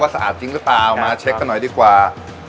สะอาดจริงหรือเปล่ามาเช็คกันหน่อยดีกว่า